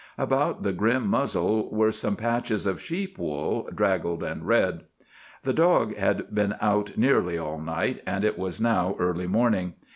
About the grim muzzle were some patches of sheep wool, draggled and red. The dog had been out nearly all night, and it was now early morning.